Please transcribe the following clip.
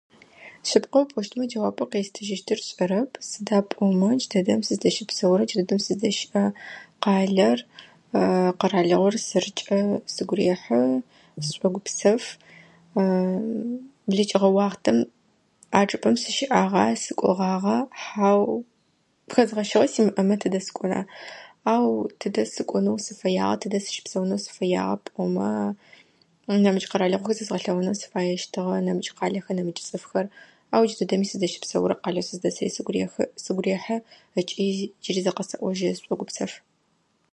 Шъыпкъэу пӏощтэ джэуапэу къестыжьыщтыр сшӏэрэп сыда пӏомэ джыдэдэм сыздэщыпсэурэ джыдэдэм сыздэщыӏэ къалэр къэралыгъор сэркӏэ сыгу рехьы, сшӏогупсэф. Блэкӏыгъэ уахътэм а чӏыпӏэм сыщыӏагъа, сыкӏогъагъа? Хьау. Хэзгъэщыгъэ симыӏэмэ тыдэ сыкӏона, ау тыдэ сыкӏонэу сыфэягъа, тыдэ сыщыпсэунэу сыфэягъа пӏомэ нэмыкӏ къэралыгъохэр зэзгъэлъэгъуну сыфаещтыгъэ, нэмыкӏ къалэхэр, нэмыкӏ цӏыфхэр. Ау джыдэдэми сыздэщыпсэурэ къэлэ сыздэсыри сыгу рехы сыгу рехьы ыкӏи джыри зэ къэсэӏожьы сшӏогупсэф.